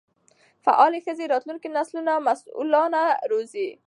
فعاله ښځې راتلونکی نسل مسؤلانه روزي.